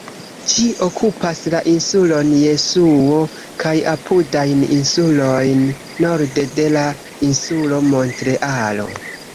Ĝi okupas la insulon Jesuo kaj apudajn insulojn, norde de la insulo Montrealo.